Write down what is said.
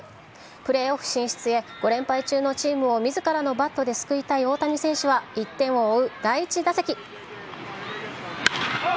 プレーオフ進出へ、５連敗中のチームをみずからのバットで救いたい大谷選手は、１点を追う第１打席。